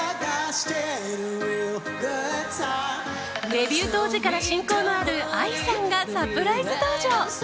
デビュー当時から親交のあるＡＩさんがサプライズ登場！